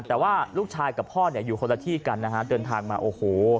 แต่ว่าลูกชายกับพ่อเนี่ยอยู่คนละที่กันนะฮะเดินทางมาโอ้โห